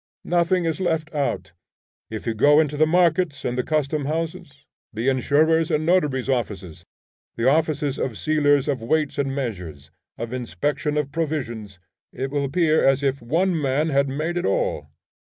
Nothing is left out. If you go into the markets and the custom houses, the insurers' and notaries' offices, the offices of sealers of weights and measures, of inspection of provisions, it will appear as if one man had made it all.